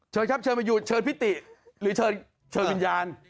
เชิญครับเชิญมาอยู่เชิญพิติหรือเชิญวิญญาณ